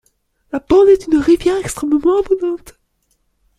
La Borne est une rivière extrêmement abondante.